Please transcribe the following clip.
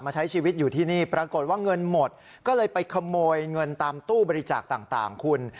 ใช้ชีวิตอยู่ที่นี่ปรากฏว่าเงินหมดก็เลยไปขโมยเงินตามตู้บริจาคต่างคุณ